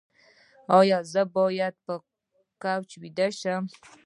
ایا زه باید په کوچ ویده شم؟